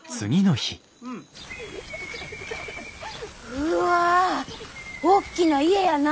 うわおっきな家やな！